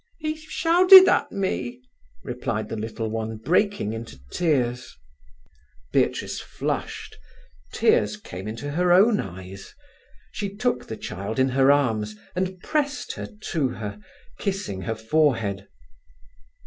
"He shouted at me," replied the little one, breaking into tears. Beatrice flushed. Tears came into her own eyes. She took the child in her arms and pressed her to her, kissing her forehead.